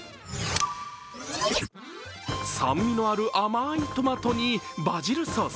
酸味のある甘いトマトにバジルソース。